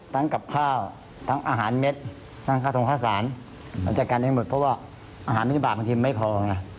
ทั้งกับภาพทั้งอาหารเม็ดทั้งโฆษฐศาสตร์เราจัดการให้หมดเพราะว่าอาหารไว้ที่บากบางทีมันไม่พอนะ